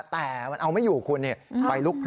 แต่มันเอาไม่อยู่คุณไฟลุก